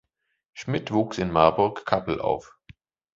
Schmidt wuchs in Marburg-Cappel auf.